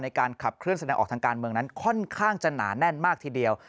ในการขับเคลื่อนแสดงออกทางการเมืองนั้นค่อนข้างจะหนาแน่นมากทีเดียว